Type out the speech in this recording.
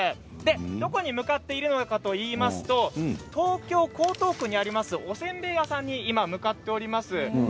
どこに向かっているかといいますと東京・江東区にありますおせんべい屋さんに今、向かっております。